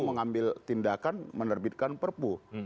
mengambil tindakan menerbitkan perpu